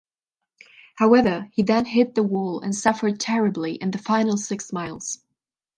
However, he then "hit the wall" and suffered terribly in the final six miles.